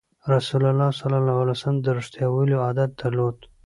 رسول الله ﷺ د رښتیا ویلو عادت درلود.